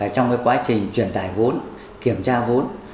trong quá trình truyền tải vốn kiểm tra vốn